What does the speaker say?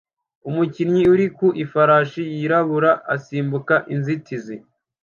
Umukinnyi uri ku ifarashi yirabura asimbuka inzitizi